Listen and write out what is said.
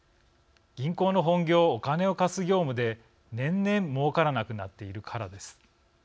銀行の本業お金を貸す業務で、年々もうからなくなっているからです。